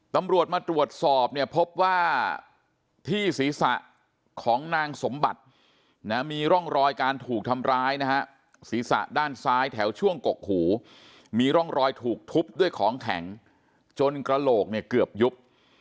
ตำรวจมาตรวจสอบเนี่ยพบว่าที่ศีรษะของนางสมบัตินะมีร่องรอยการถูกทำร้ายนะฮะศีรษะด้านซ้ายแถวช่วงกกหูมีร่องรอยถูกทุบด้วยของแข็งจนกระโหลกเนี่ยเกือบยุบ